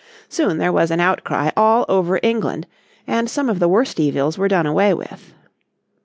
Soon there was an outcry all over England, and some of the worst evils were done away with.